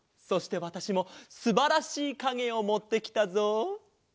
そしてわたしもすばらしいかげをもってきたぞ。